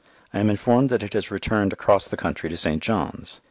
I am informed that it has returned across the country to St. John's.